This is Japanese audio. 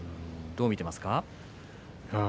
どう見ていますか。